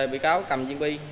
bị cáo cầm bb